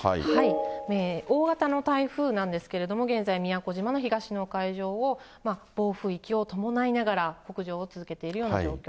大型の台風なんですけれども、現在、宮古島の東の海上を暴風域を伴いながら北上を続けているような状況。